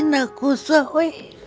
terima kasih tuhan